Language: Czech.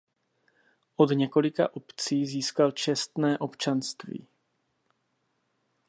Od několika obcí získal čestné občanství.